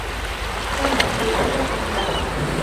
কেনো, এইগুলো আমরা।